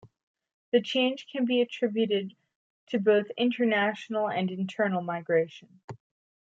The change can be attributed to both international and internal migration.